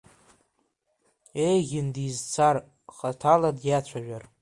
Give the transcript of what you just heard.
Еиӷьын дизцар, хаҭала диацәажәар.